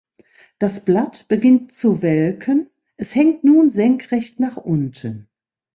Das Blatt beginnt zu welken, es hängt nun senkrecht nach unten.